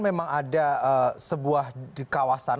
memang ada sebuah kawasan